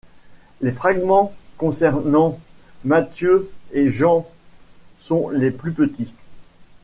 Les fragments concernant Matthieu et Jean sont les plus petits.